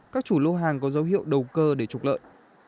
các chủ lô hàng có dấu hiệu đầu cơ để trục lợi